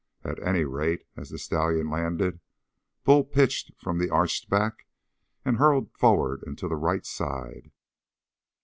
At any rate, as the stallion landed, Bull pitched from the arched back and hurtled forward and to the right side.